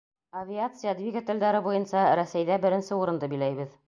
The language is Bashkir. — Авиация двигателдәре буйынса Рәсәйҙә беренсе урынды биләйбеҙ.